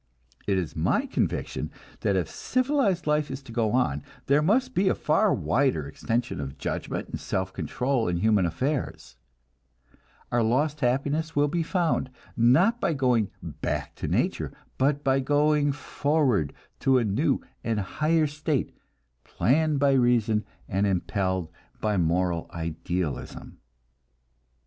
It is my conviction that if civilized life is to go on, there must be a far wider extension of judgment and self control in human affairs; our lost happiness will be found, not by going "back to nature," but by going forward to a new and higher state, planned by reason and impelled by moral idealism.